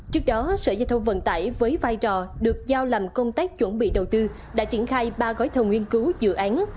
trước đó sở giao thông vận tải với vai trò được giao làm công tác chuẩn bị đầu tư đã triển khai ba gói thầu nghiên cứu dự án